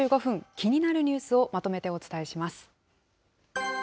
気になるニュースをまとめてお伝えします。